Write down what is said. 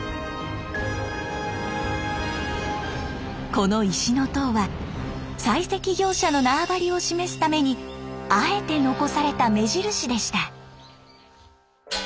この石の塔は採石業者の縄張りを示すためにあえて残された目印でした。